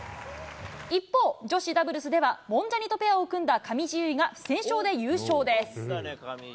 一方、女子ダブルスでは、モンジャニとペアを組んだ上地結衣が不戦勝で優勝です。